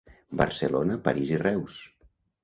Barcelona, París i Reus.